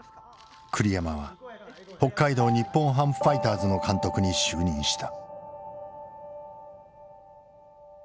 栗山は北海道日本ハムファイターズの監督に就任した。